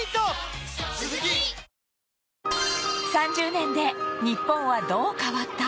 ３０年で日本はどう変わった？